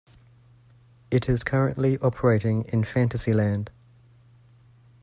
It is currently operating in Fantasyland.